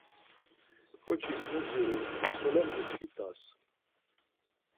Ǩoçik mu dziru ma solen miçkit̆as!